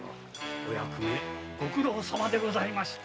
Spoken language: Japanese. お役目ご苦労様でございました。